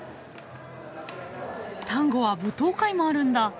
タンゴは舞踏会もあるんだ。